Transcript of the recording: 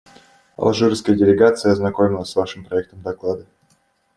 Алжирская делегация ознакомилась с Вашим проектом доклада.